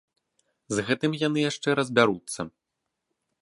З гэтым яны яшчэ разбяруцца.